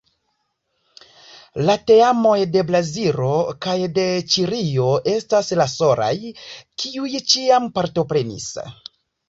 La teamoj de Brazilo kaj de Ĉilio estas la solaj, kiuj ĉiam partoprenis.